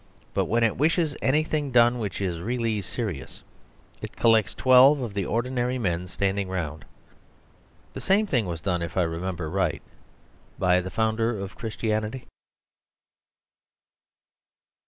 But when it wishes anything done which is really serious, it collects twelve of the ordinary men standing round. The same thing was done, if I remember right, by the Founder of Christianity.